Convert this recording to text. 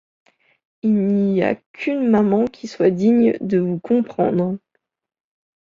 Il n’y a qu’une maman qui soit digne de vous comprendre.